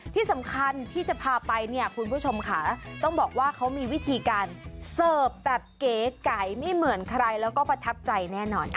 ที่สำคัญที่จะพาไปเนี่ยคุณผู้ชมค่ะต้องบอกว่าเขามีวิธีการเสิร์ฟแบบเก๋ไก่ไม่เหมือนใครแล้วก็ประทับใจแน่นอนค่ะ